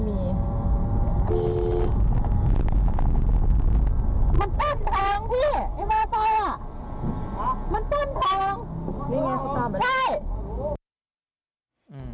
มันต้นทองมันต้นทอง